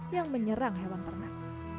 yang menyerang hewan ternak